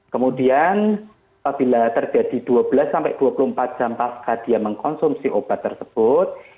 kemudian apabila terjadi dua belas sampai dua puluh empat jam pasca dia mengkonsumsi obat tersebut